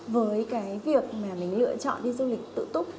với cái việc mà mình lựa chọn đi du lịch tự túc